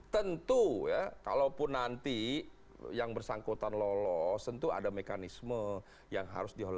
tentu ya kalaupun nanti yang bersangkutan lolos tentu ada mekanisme yang harus dihadapi